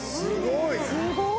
すごい！